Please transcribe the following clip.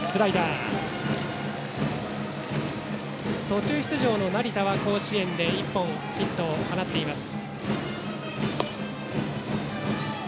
途中出場の成田は甲子園で１本ヒットを放っています。